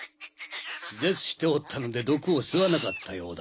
気絶しておったので毒を吸わなかったようだ。